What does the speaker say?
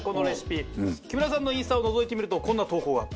木村さんのインスタをのぞいてみるとこんな投稿が。